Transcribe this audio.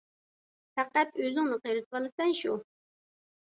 پەقەت ئۆزۈڭنى قېرىتىۋالىسەن شۇ!